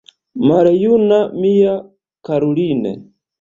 Maljuna mia karulin’!